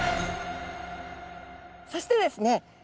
そしてですね